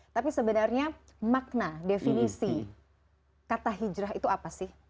tapi sebenarnya makna definisi kata hijrah itu apa sih